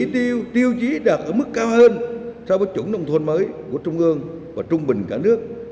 nông thôn cao hơn so với chủng nông thôn mới của trung ương và trung bình cả nước